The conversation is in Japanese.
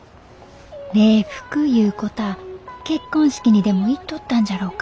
礼服いうこたあ結婚式にでも行っとったんじゃろうか。